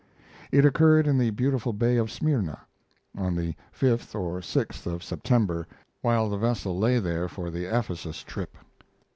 It occurred in the beautiful Bay of Smyrna, on the fifth or sixth of September, while the vessel lay there for the Ephesus trip.